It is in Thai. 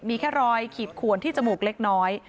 มีแค่รอยขีดขวนที่จมูกเล็กน้อย